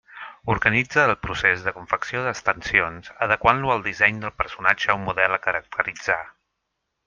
Organitza el procés de confecció d'extensions adequant-lo al disseny del personatge o model a caracteritzar.